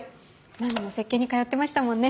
何度も接見に通ってましたもんね。